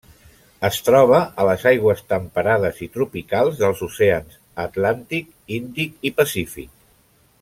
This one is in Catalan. Es troba a les aigües temperades i tropicals dels oceans Atlàntic, Índic i Pacífic.